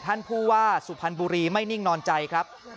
ท่านผู้ว่าสุพรรณบุรีไม่นิ่งนอนใจครับ